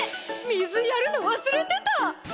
水やるの忘れてた！